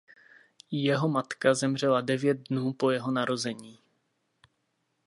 Jeho matka zemřela devět dnů po jeho narození.